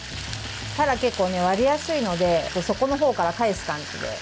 たらは結構割れやすいので底のほうから返す感じで。